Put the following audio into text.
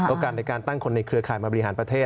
โอกาสในการตั้งคนในเครืออาทิตย์มาบริหารประเทศ